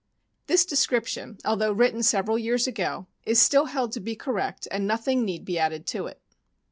This description, although, written several years ago, is still held to be correct, and nothing need be added to it.